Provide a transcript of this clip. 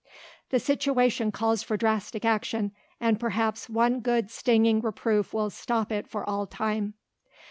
"The situation calls for drastic action and perhaps one good stinging reproof will stop it for all time."